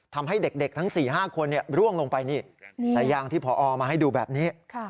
ทำให้เด็กทั้ง๔๕คนร่วงลงไปนี่สายยางที่พอมาให้ดูแบบนี้